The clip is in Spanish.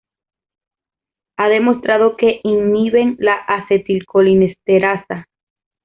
Ha demostrado que inhiben la acetilcolinesterasa.